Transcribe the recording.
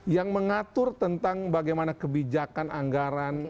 yang mengatur tentang bagaimana kebijakan anggaran